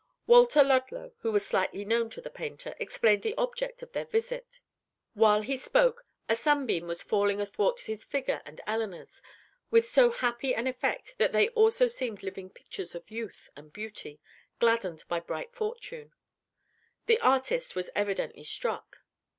Walter Ludlow, who was slightly known to the painter, explained the object of their visit. While he spoke, a sun beam was falling athwart his figure and Elinor's, with so happy an effect that they also seemed living pictures of youth and beauty, gladdened by bright fortune. The artist was evidently struck.